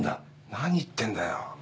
何言ってんだよ！